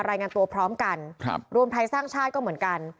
รายงานตัวพร้อมกันครับรวมไทยสร้างชาติก็เหมือนกัน